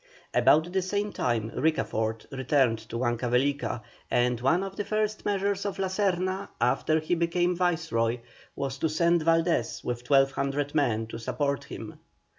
About the same time Ricafort returned to Huancavelica, and one of the first measures of La Serna after he became Viceroy, was to send Valdés with 1,200 men to support him.